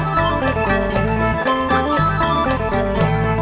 โชว์ฮีตะโครน